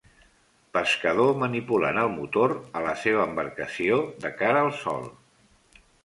Pescador manipulant el motor a la seva embarcació, de cara al sol.